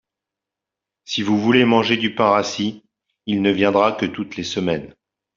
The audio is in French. Si vous voulez manger du pain rassis, il ne viendra que toutes les semaines.